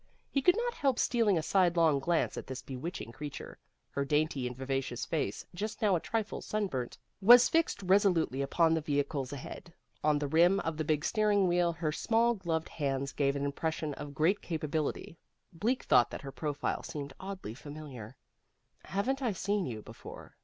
He could not help stealing a sidelong glance at this bewitching creature. Her dainty and vivacious face, just now a trifle sunburnt, was fixed resolutely upon the vehicles ahead. On the rim of the big steering wheel her small gloved hands gave an impression of great capability. Bleak thought that her profile seemed oddly familiar. "Haven't I seen you before?"